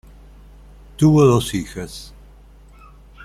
Tuvo dos hijas.